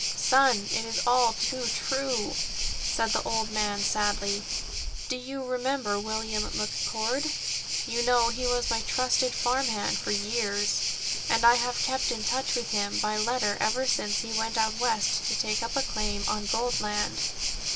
"Son, it is all too true," said the old man sadly. "Do you remember William McCord? You know he was my trusted farm hand for years, and I have kept in touch with him by letter ever since he went out West to take up a claim on gold land.